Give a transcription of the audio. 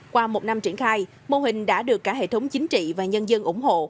qua một năm triển khai mô hình đã được cả hệ thống chính trị và nhân dân ủng hộ